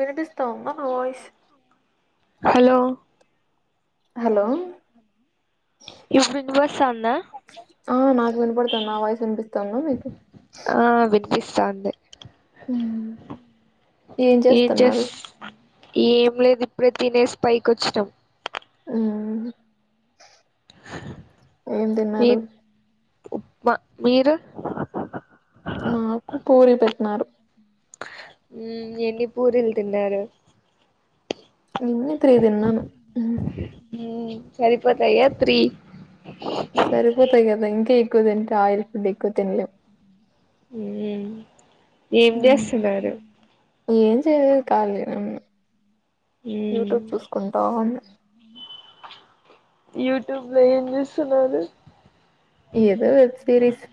వినిపిస్తాందా నా voice. Hello. Hello. ఇప్పుడు వినిపిస్తాందా ఆహ్ నాకు విన్పడ్తాంది నా వాయిస్ విన్పిస్తాందా మీకు. ఆహ్ విన్పిస్తాందీ. ఉమ్ ఏం చేస్తున్నారు. ఏం లేదు ఇప్పుడే తినేసి పైకి ఓచ్చినాం. ఉమ్ ఏం తిన్నారు. ఉప్మా మీరు. నాకు పూరీ పెట్నారు. ఉమ్ ఎన్ని పూరీలు తిన్నారు. నిన్న త్రీ తిన్నాం ఉమ్. ఊమ్ సరిపోతాయా త్రీ సరిపోతాయి కదా ఇంకా ఎక్కవ తింటే ఆయిల్ ఫుడ్ ఎక్కువ్ తిన్లేమ్. ఉమ్ ఏం చేస్తున్నారు. ఏం చేయ్లేద్ కలిగానే ఉన్న మ్మ్ యూట్యూబ్ చూస్కుంటా ఉన్న యూట్యూబ్ లో ఏం చూస్తున్నారు. ఏదో వెబ్ సిరీస్.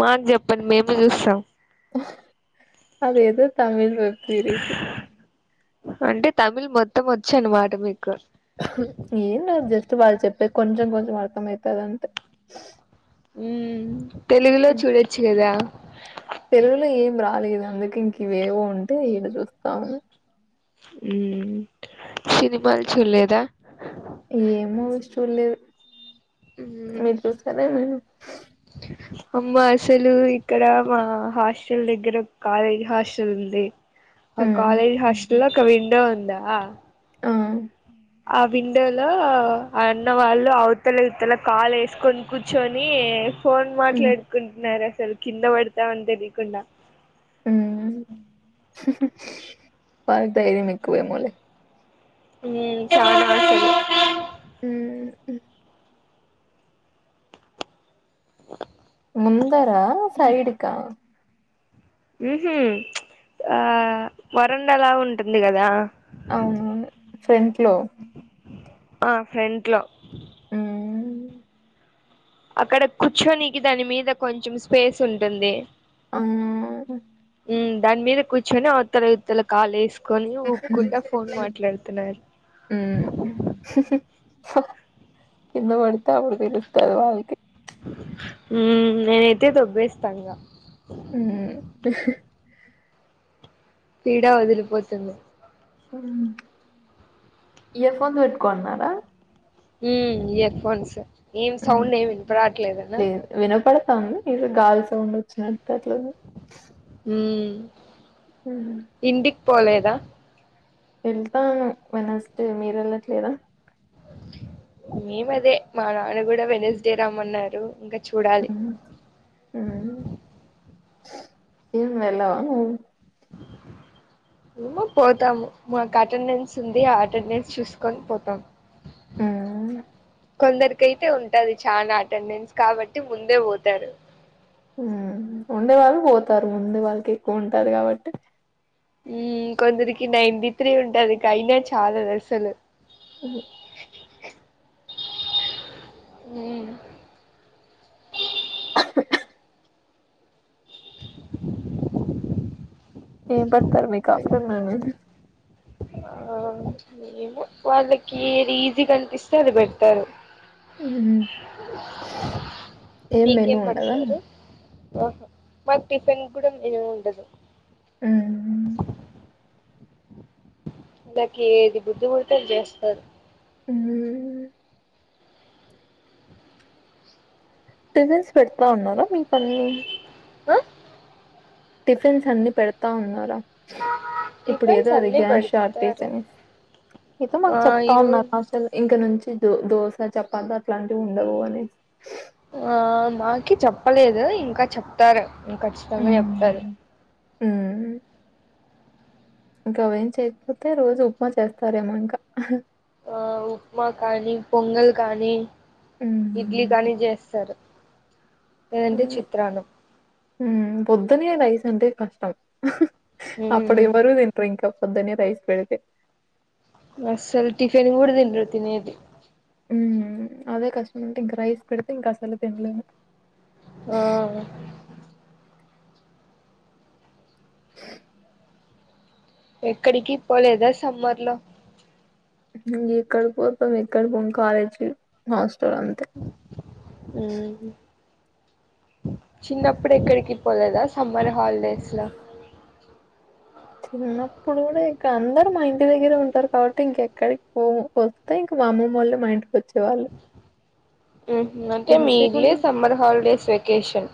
మాకు చెప్పండి మేము చూస్తాం. అది ఎదో తమిళ్ వెబ్ సీరీస్. అంటే తమిళ్ మొత్తం వచ్చి అన్నమాట మీకు ఏం లేదు జస్ట్ వాళ్ళు చెప్పే కొంచెం కొంచెం అర్థమైతాది అంతే ఉమ్ తెలుగులో ఉమ్ చూడొచ్చు కదా తెలుగులో ఏం రాలేదు. అందుకే ఇంక ఇవేవో ఉంటే ఈడ చూస్తాము. ఉమ్ సినిమాలు చూలేదా ఎం మూవీస్ చూలేదు. మ్మ్ మీరు చూసారా మీరు అమ్మ అసలు ఇక్కడ మా హాస్టల్ దగ్గర ఒక కాలేజ్ హాస్టల్ ఉంది. ఆ హ్మ్. కాలేజ్ హాస్టల్లో ఒక విండో ఉందా ఆ ఆ విండోలో ఆ అన్నవాళ్ళు అవతల ఇతల కాలు వేసుకొని కూర్చొని ఫోన్ హ్మ్. మాట్లాడుకుంటున్నారు అసలు కింద పడతామని తెలియకుండా ఉమ్ వాళ్లకు ధైర్యం ఎక్కువ ఏమోలే ఉ చానా ఆసలు హుమ్ ముందరా సైడుకా హుహుమ్ ఆ వరండలా ఉంటుంది కదా అవును ఫ్రంట్ లో ఆ ఫ్రెంట్లో అ అక్కడ కూర్చొనికి దాని మీద కొంచెం స్పేస్ ఉంటుంది. అవునా ఉమ్ దాని మీద కూర్చొని అవతల ఇవతల కాలేస్ కని ఊప్కుంటా ఫోన్ మాట్లాడుతున్నారు హా కిందపడితే అప్పుడు తెలుతాది వాళ్ళకి ఉమ్ నేనైతే దొబ్బేస్తా ఇంగా ఉమ్ పీడా వదిలిపోతుంది. ఇయర్ ఫోన్స్ పెట్టుకోన్నారా ఉ ఇయర్ ఫోన్స్ ఏం హ్మ్. సౌండ్ ఏమి వినపరాట్లేదనా స్తాంది ఏదో గాల్ సౌండ్ వచ్చినట్టు అట్లది ఉమ్ హ ఇంటికి పోలేదా వెళ్తాను వెనస్డే మీరు వెళ్ళట్లేదా మేమ అదే మా నాన్న కూడా వెనస్డే రమ్మన్నారు. ఇంకా చూడాలి ఏం వెల్లవా నువ్వు మో పోతాము మాకు అటెండెన్స్ ఉంది. ఆ అటెండెన్స్ చూసుకొని పోతాం. హు కొందరికైతే ఉంటది చాన అటెండెన్స్ కాబట్టి ముందేపోతారు. ఉ ఉండే వాళ్ళు పోతారు ముందు వాళ్ళకి ఎక్కువ ఉంటాది కాబట్టి ఉ కొందరికి నైన్టీ త్రీ ఉంటాది కైనా చాలాదు అసలు ఉ హు ఉమ్ ఏం పడత్తరు మీకు ఆఫ్టర్నూన్ ఆ ఏమో వాళ్ళకి ఏది ఈజీగా అనిపిస్తే పెట్టరు హ్మ్ ఏం మెనూ మీకేం ఉండదా? పట్టారు ఆహా మాక్ టిఫన్ కూడం ఏం ఉండదు మ్ నాకి ఏది బుద్ధి పుడితే అద్ జేస్తాను ఉ పెజెల్స్ పెడతా ఉన్నారా మీకన్ని ఆ టిఫిన్స్ అన్ని పెడతా ఉన్నారా ఇప్పుడు టిఫిన్స్ ఏదో అది అన్ని గ్యాస్ షార్టేజ్ పెడతారు అనేసి ఎతో ఆ మాక్ చెప్తా ఈరోజు ఉన్నారు అసలు ఇంక నుంచి దో దోశ చపాతి అట్లాంటివి ఉండవు అని ఆ మాకి చెప్పలేదు ఇంకా చెప్తారు ఖచ్చితంగా చెప్తారు మ్ ఇంకా అవేం చేయకపోతే రోజు ఉప్మా చేస్తారేమో ఇంకా ఆ ఉప్మా కానీ పొంగల్ కానీ ఇడ్లీ హ్మ్ కానీ చేస్తారు లేదంటే చిత్రాన్నం మ్ పొద్దునె రైస్ అంటే కష్టం అప్పుడు ఉమ్ ఎవరు తినర్ ఇంకా పొద్దున్నే రైస్ పెడితే అస్సలు టిఫిన్ కూడా తినర్ తినేది ఉమ్ అదే కష్టం అంటే ఇంకా రైస్ పెడితే ఇంకా అసలు తిన్లేము ఆ ఎక్కడికి పోలేదా సమ్మర్ లో ఎక్కడికి పోతాం ఎక్కడ పోం కాలేజీకి హాస్ మ్ చిన్నప్పుడు ఎక్కడికి పోలేదా సమ్మర్ హాలిడేస్ లో చిన్నప్పుడు కూడా ఇంకా అందరు మా ఇంటి దగ్గరే ఉంటారు కాబట్టి ఇంకెక్కడికి పోము పోతే ఇంక మా అమ్మమ్మ ఓళ్ళు మా ఇంటికి ఓచ్చే వాళ్ళు ఉ హు అంటే మీ ఇల్లే సమ్మర్ హాలిడేస్ వెకేషన్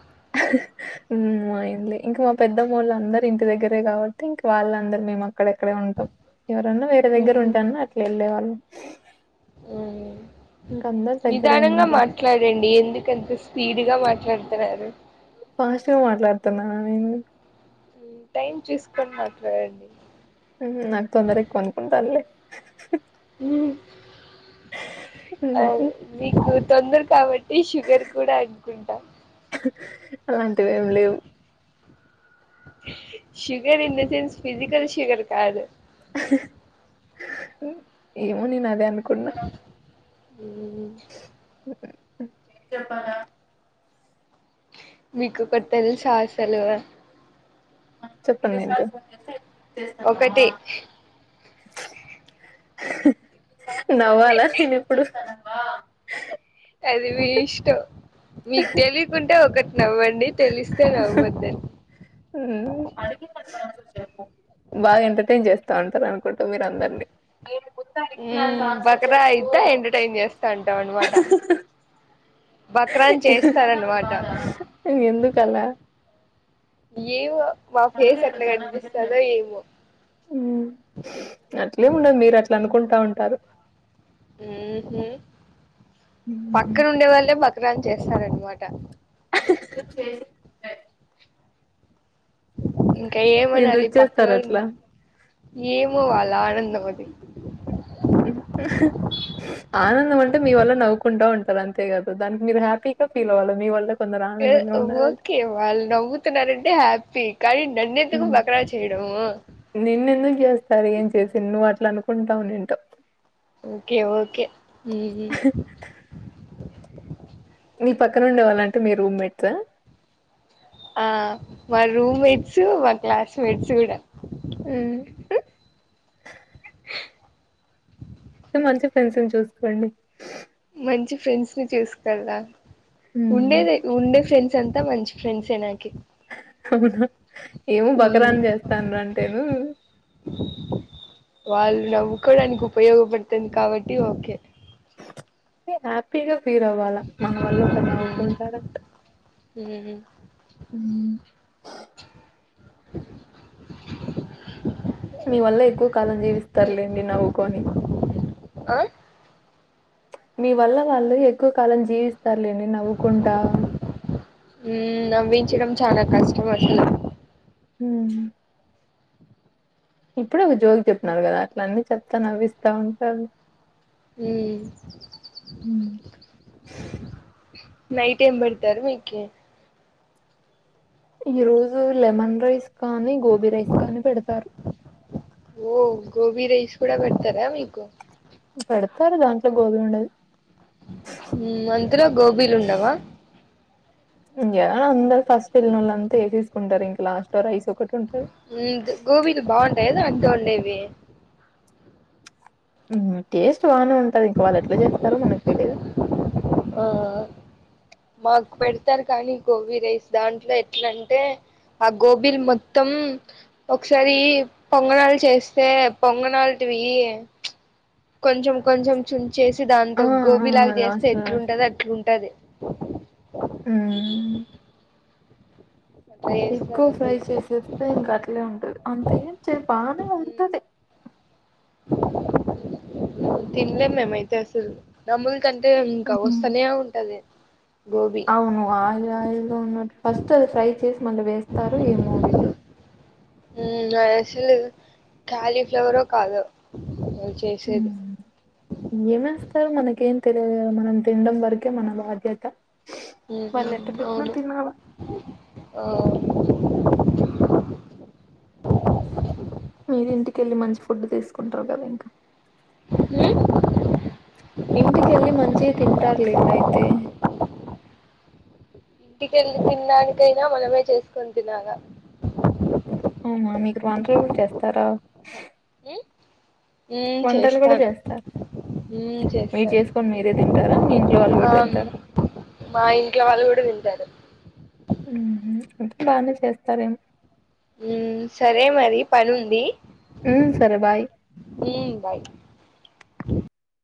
ఉమ్ మా ఇల్లే ఇంకా మా పెద్దమొళ్ళు అందరు ఇంటి దగ్గరే కాబట్టి ఇంకా వాళ్ళందరూ మేము అక్కడక్కడే ఉంటాం ఎవరన్నా వేరే దగ్గర ఉంటన్న అట్లా వెళ్ళే వాళ్ళం మ్ ఇంక అందరు దగ్గరే నిదానంగా ఉన్నారుగా మాట్లాడండి ఎందుకంత స్పీడ్ గా మాట్ డతన్నారు ఫస్ట్గా మాట్లాడుతున్నానా నేను మ్ టైం చూసుకొని మాట్లాడండి ఉ నాక్ తొందర ఎక్కువనుకుంటానులే మ్ అ హ్మ్. మీకు తొందర కాబ ఈ షుగర్ కూడా అనుకుంటా అలాంటివేం లేవు sugar in the sense physical sugar కాదు ఏమో నేను అదే అనుకున్నా మ్ ఏం చెప్పాలా మీకు ఒక్కటి తెల్సా అసలు చెప్పండి ఒకటి నవ్వాలా నేన్ ఇప్పుడు అది మీ ఇష్టం మీకు తెలియకుంటే ఒక నవ్వండి తెలిస్తే నవ్వద్దని మ్మ్ బాగా ఎంటర్టెన్ చేస్తా ఉంటారు అనుకుంట మీరు అందరినీ నేను ముందు అడిగిన దానికి మ్మ్ ఆన్సర్ బకరా చెప్పు అయితే ఎంటర్టైన్ చేస్తా అంటాం అనమాట బక్రాన్ చేస్తారనమాట ఎందుకు అలా ఏమో మా ఫేస్ అట్లా కనిపిస్తదో ఏమో అట్లెం ఉండదు మీరు అట్లా అనుకుంటా ఉంటారు హు హుమ్మ్ పక్కన ఉండే వాళ్ళే బక్రాన్ చేస్తారనమాట ఇంకా ఏమనాలి ఎందుకు చేస్తారు పక్కలో అట్లా ఏమో వాళ్ళ ఆనందం నావోదీ ఆనందం అంటే మీ వల్ల నవ్వుకుంటా ఉంటారు అంతేకదా దానికి మీరు హ్యాపీగా ఫీల్ అవ్వాలి మీ వల్ల కొందరు ఆనందంగా ఉన్నారంటే ఓకే వాళ్ళు నవ్వుతున్నారంటే హ్యాపీ కానీ నన్నెందుకు బకరా చేయడము నిన్న ఎందుకు చేస్తారు ఏం చేసి నువ్వు అట్లా అను కుంటాం ఓకే ఓకే హమ్ మీ పక్కనుండేవ్వాలంటే మీ రూమ్మెట్సా ఆ ఆ మా రూమ్ మేట్స్ మా క్లాస్ మేట్స్ కూడా హ్మ్ మంచి ఫ్రెండ్స్ చూసుకోండి మంచి ఫ్రెండ్స్ ని చూసుకెళ్దా హ్మ్. ఉండేది ఉండే ఫ్రెండ్స్ అంతా మంచి ఫ్రెండ్స్ ఏ నాకి అవునా ఏమో బకరా ఉమ్, చేస్తాను అంటేను నవ్వుకోడానికి ఉపయోగపడుతుంది కాబట్టి ఓకే హ్యాపీగా ఫీల్ అవ్వాలా మన వల్ల ఒకరు ఉమ్, నవ్వుకుంటారంట ఉమ్, ఉమ్ మీ వల్ల ఎక్కువ కాలం జీవిస్తారులేండి నవ్వుకుని హా మీ వల్ల వాళ్ళు ఎక్కువ కాలం జీవిస్తారులేడీ నవ్వుకుంటా ఉ నవ్వించడం చాలా కష్టం అస్సలు ఉమ్ ఇప్పుడే ఒక జోలికి చెప్పన్నారు కదా అట్ల అన్నీ చెస్తా నవ్విస్తా ఉంటారు ఉమ్ హ్మ్. నై ఏం పెట్టారు మీకి ఈ రోజు లెమన్ రైస్ కానీ గోబీ రైస్ కానీ పెడతారు ఓ గోబీ రైస్ కూడా పెడతారా మీకు పెడతారు దాంట్లో గోబీ ఉండదు మ్మ్ అందులో గోబీలు ఉండవా ఇంకా అందరు ఫస్ట్ ఎల్లినోలు అంతా వే తీసుకుంటారు ఇంకా లాస్ట్ లో రైస్ ఒకటి ఉంటాది గోబీలు బాగుంటాయి కదా అక్క వండేవి టేస్ట్ బానే ఉంటది ఇంక వాళ్ళు ఎట్లా చేస్తారో మనకు తెలీదు ఆహ మాకు పెడతారు కానీ గోబీ రైస్ దాంట్లో ఎట్లాంటే ఆ గోబీలు మొత్తం ఒకసారి పొంగణాలు చేస్తే పొంగణలు వి కొంచం కొంచం చు చేసి ఆ! దాంతో ఆ! గోబీలాగా చేస్తే లాస్ట్‌లో ఎట్లుంటది అట్లుంటది ఉమ్. అట్లా ఎక్కువ చేస్తారు ఫ్రై చేసేస్తే ఇంక అట్లే ఉంటది అంతే. బానే ఉంటది. అసలు తిన్లే మేమ్ అయితే అసలు నముల్. ఎందుకంటే ఇంకా హ్మ్. వస్తనే ఉంటది గోబీ ఉన్నట్డు ఫస్ట్ అది ఫ్రై చేసి మళ్ళీ వేస్తారు ఏమో వీళ్ళు ఉమ్ అసలు క్యాలీఫ్లవరో కాదో చేసేది మ్మ్ ఏమన్ సార్ మనకేం తెలియదుగాద మనం తినడం వరకే మన బాధ్యత. ఉహూ వాళ్ళు ఎట్ట పెట్టినా అవును తినాలా. ఆహ్. మీరింటికెళ్ళి మంచి ఫుడ్ తీసుకుంటారు గదా ఇంకా. ఉహూ. ఇంటికెళ్ళి మంచిగా తింటారులేండి అయితే. ఇంటికెళ్ళి తినడానికైనా మనమే చేసుకొని తినాల. వంట కూడా చేస్తారా. ఉమ్ వంటలు కూడా చేస్తాను. చేస్తారు ఉమ్ మీరు చేస్తాను చేసుకొని మీరే తింటారా మీ ఇంట్లో వాళ్ళు కూడా ఆహ్ తింటారా మా ఇంట్లో వాళ్ళు కూడా. తింటారు. ఉమ్ వంటలు బాగానే చేస్తారేమో. ఉమ్ సరే మరి పని ఉంది. ఉమ్ సరే బాయ్. మ్మ్ బాయ్